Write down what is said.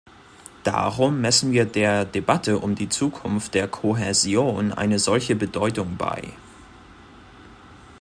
Darum messen wir der Debatte um die Zukunft der Kohäsion eine solche Bedeutung bei.